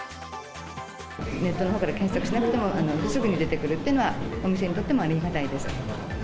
ネットのほうから検索しなくてもすぐに出てくるっていうのは、お店にとってもありがたいです。